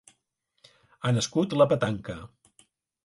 Ha nascut la petanca.